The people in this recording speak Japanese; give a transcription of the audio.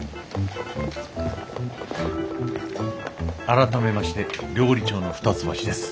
改めまして料理長の二ツ橋です。